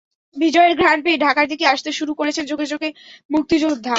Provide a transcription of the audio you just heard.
বিজয়ের ঘ্রাণ পেয়ে ঢাকার দিকে আসতে শুরু করেছেন ঝাঁকে ঝাঁকে মুক্তিযোদ্ধা।